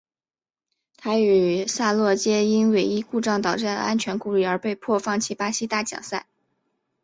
他与萨洛皆因尾翼故障导致的安全顾虑而被迫放弃巴西大奖赛。